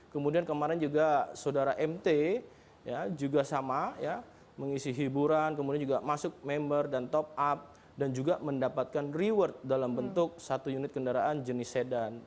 kemudian kemarin juga saudara mt juga sama ya mengisi hiburan kemudian juga masuk member dan top up dan juga mendapatkan reward dalam bentuk satu unit kendaraan jenis sedan